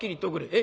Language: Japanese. え？